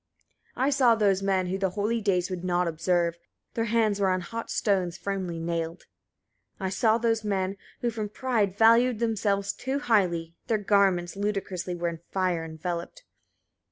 65. I saw those men who the holy days would not observe: their hands were on hot stones firmly nailed. 66. I saw those men who from pride valued themselves too highly; their garments ludicrously were in fire enveloped.